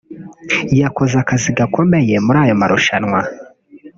yakoze akazi gakomeye muri ayo marusanwa